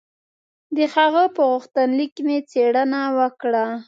د هغه په غوښتنلیک مې څېړنه وکړه.